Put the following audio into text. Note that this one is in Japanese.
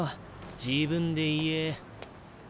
自分で言え。